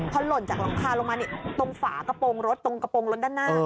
พอหล่นจากหลังคาลงมาตรงฝากระโปรงรถตรงกระโปรงรถด้านหน้า